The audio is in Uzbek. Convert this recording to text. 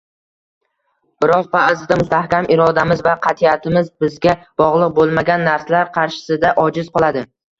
Biroq baʼzida mustahkam irodamiz va qatʼiyatimiz bizga bogʻliq boʻlmagan narsalar qarshisida ojiz qoladi…